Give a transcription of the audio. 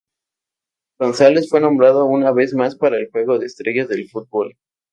González fue nombrado una vez más para el Juego de Estrellas del Futuro.